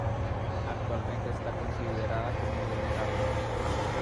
Actualmente está considerada como "vulnerable".